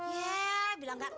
ye bilang gak tau